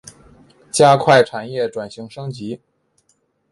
加快产业转型升级